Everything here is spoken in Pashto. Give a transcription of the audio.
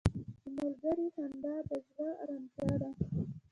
• د ملګري خندا د زړه ارامتیا ده.